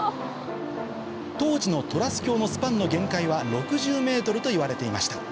当時のトラス橋のスパンの限界は６０ｍといわれていました